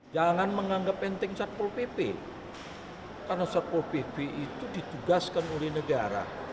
jangan menganggap enteng satpol pp karena satpol pp itu ditugaskan oleh negara